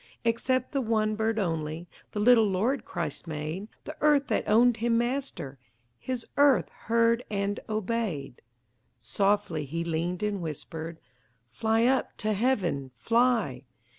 Except the one bird only The little Lord Christ made; The earth that owned Him Master, His earth heard and obeyed. Softly He leaned and whispered: "Fly up to Heaven! Fly!"